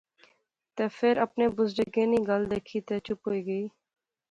لیکن فیر اپنے بزرگیں نی گل دکھی تہ چپ ہوئی گئی